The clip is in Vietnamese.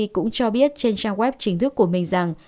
cũng cho biết trên trang web chính thức của mình rằng